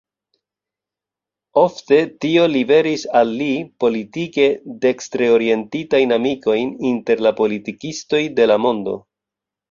Ofte tio liveris al li politike dekstre-orientitajn amikojn inter la politikistoj de la mondo.